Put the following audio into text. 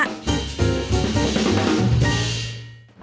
พี่วิรัตน์กับพี่ผุ่ม